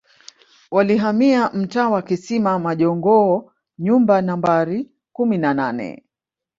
Walihamia mtaa wa Kisima majongoo nyumba Nambari kumi na nane